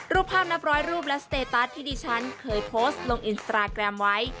ภาพนับร้อยรูปและสเตตัสที่ดิฉันเคยโพสต์ลงอินสตราแกรมไว้